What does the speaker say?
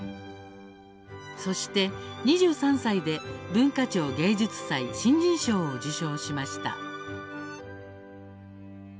そして、２３歳で文化庁芸術祭新人賞を受賞しました。